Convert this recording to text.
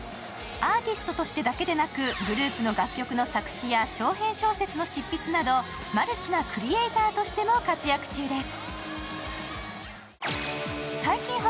アーティストとしてだけでなくグループの楽曲の作詞や長編小説の執筆などマルチなクリエーターとしても活躍中です。